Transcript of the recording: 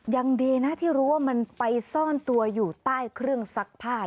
ยังดีนะที่รู้ว่ามันไปซ่อนตัวอยู่ใต้เครื่องซักผ้า